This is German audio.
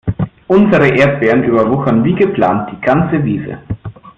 Unsere Erdbeeren überwuchern wie geplant die ganze Wiese.